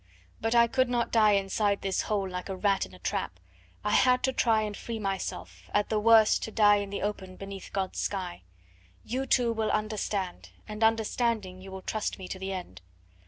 But I could not die inside this hole like a rat in a trap I had to try and free myself, at the worst to die in the open beneath God's sky. You two will understand, and understanding you will trust me to the end.